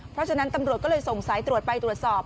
เพราะฉะนั้นตำรวจก็เลยส่งสายตรวจไปตรวจสอบ